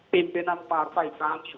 pimpinan partai kami